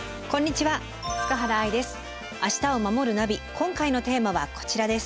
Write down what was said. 今回のテーマはこちらです。